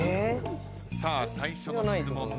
さあ最初の質問